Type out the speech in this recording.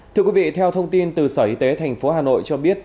thưa quý vị theo thông tin từ sở y tế tp hà nội cho biết